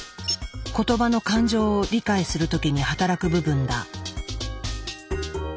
言葉の感情を理解する時に働く部分だ。